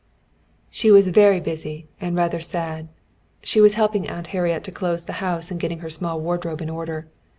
She was very busy and rather sad. She was helping Aunt Harriet to close the house and getting her small wardrobe in order.